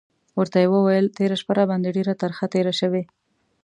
ورته یې وویل: تېره شپه راباندې ډېره ترخه تېره شوې.